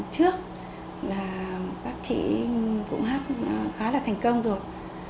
trước là các chị cũng hát khá là thành công rồi